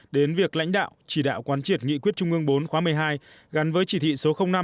đến việc lãnh đạo chỉ đạo quán triệt nghị quyết trung ương bốn khóa một mươi hai gắn với chỉ thị số năm